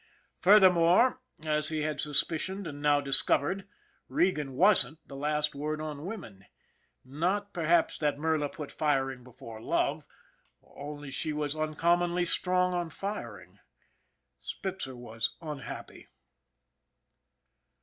Furthermore, as he had sus picioned and now discovered, Regan wasn't the last word on women; not, perhaps, that Merla put firing before love, only she was uncommonly strong on firing. Spitzer was unhappy.